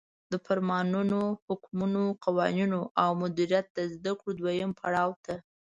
د فرمانونو، حکمونو، قوانینو او مدیریت د زدکړو دویم پړاو ته